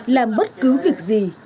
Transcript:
làm bất cứ việc gì